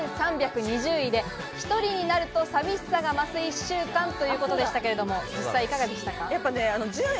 指原さん、先週は２３２０位で、１人になると寂しさが増す１週間ということでしたけれども実際いかがでしたか？